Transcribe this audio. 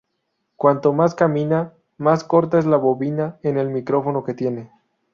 Cuanto más camina, más corta es la bobina en el micrófono que tiene.